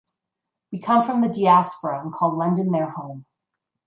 We come from the diaspora and call London their home.